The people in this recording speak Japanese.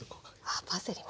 ああパセリも。